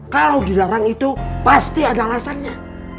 kalau di larang itu pasti ada alasannya